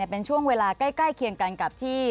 เป็นช่วงเวลาใกล้เคียงกันกับที่